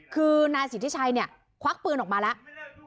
คือนายสิทธิชัยเนี่ยควักปืนออกมาแล้ว